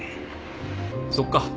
そっか。